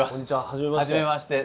初めまして。